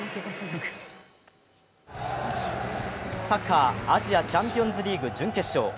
サッカー、アジアチャンピオンズリーグ準決勝。